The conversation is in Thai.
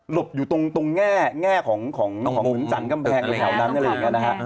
หลบอยู่ตรงแง่ของมุมจันทร์กำแพง